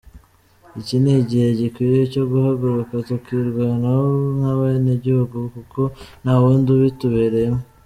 Iki ni igihe gikwiye cyo guhaguruka tukirwanaho nk’abenegihugu kuko nta wundi ubitubereyemo.